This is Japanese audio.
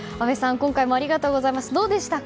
今回もありがとうございます。